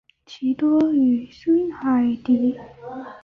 其多栖息于深海底。